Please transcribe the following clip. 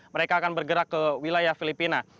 mereka akan bergerak ke wilayah filipina